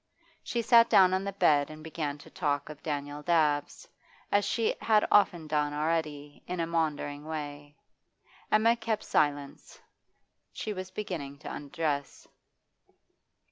She sat down on the bed and began to talk of Daniel Dabbs, as she had often done already, in a maundering way. Emma kept silence; she was beginning to undress.